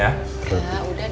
kak udah deh